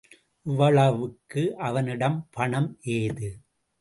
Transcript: இவ்வளவுக்கு அவனிடம் பணம் ஏது?